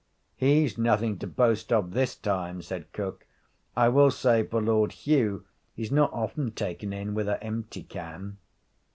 'He's nothing to boast of this time,' said cook. 'I will say for Lord Hugh he's not often taken in with a empty can.'